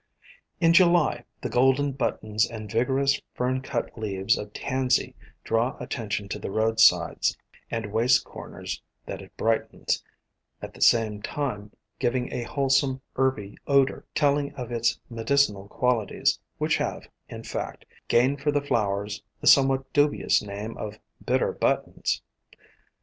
In July the golden buttons and vigorous fern cut leaves of Tansy draw attention to the roadsides and waste corners that it brightens, at the same time giving a wholesome, herby odor, telling of its medicinal qualities, which have, in fact, gained for the flowers the somewhat dubious name of Bitter Buttons.